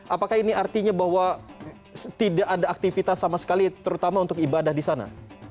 apakah ini artinya bahwa tidak ada aktivitas sama sekali terutama untuk ibadah di sana